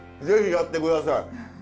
ぜひやって下さい。